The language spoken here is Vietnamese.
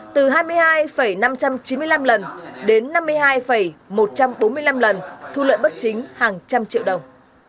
từ hai mươi hai năm trăm chín mươi năm lần đến năm mươi hai một trăm bốn mươi năm lần thu lợi bất chính hàng trăm triệu đồng